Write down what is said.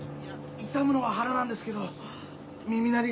痛むのは腹なんですけど耳鳴りがひどいんです。